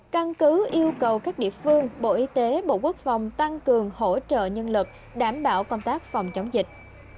căn cứ yêu cầu các địa phương bộ y tế bộ quốc phòng tăng cường hỗ trợ nhân lực đảm bảo công tác phòng chống dịch